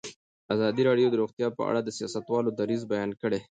ازادي راډیو د روغتیا په اړه د سیاستوالو دریځ بیان کړی.